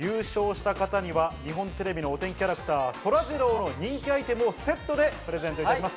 優勝した方には日本テレビのお天気キャラクター、そらジローの人気アイテムをセットでプレゼントいたします。